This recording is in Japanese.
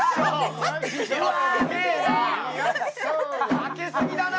かけすぎだな！